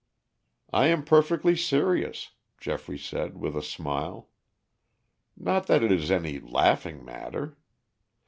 "I am perfectly serious," Geoffrey said, with a smile. "Not that it is any laughing matter.